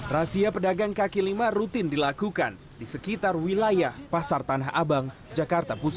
razia pedagang kaki lima rutin dilakukan di sekitar wilayah pasar tanah abang jakarta pusat